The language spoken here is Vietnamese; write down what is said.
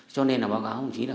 cho nên là báo cáo không chí là